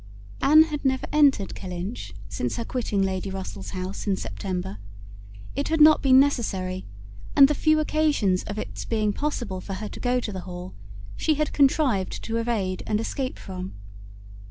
Anne had never entered Kellynch since her quitting Lady Russell's house in September. It had not been necessary, and the few occasions of its being possible for her to go to the Hall she had contrived to evade and escape from.